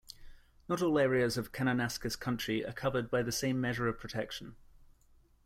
Not all areas of Kananaskis Country are covered by the same measure of protection.